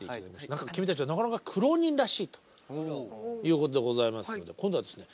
何か君たちはなかなか苦労人らしいということでございますので今度はですね